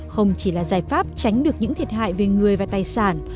không chỉ là giải pháp tránh được những thiệt hại về người và tài sản